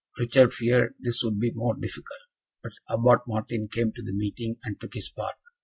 Richard feared this would be more difficult; but Abbot Martin came to the meeting, and took his part.